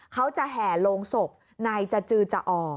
เขาจะแห่โรงศพนายจะจือจะออก